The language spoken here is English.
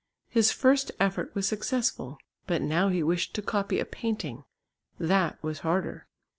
His first effort was successful. But now he wished to copy a painting. That was harder.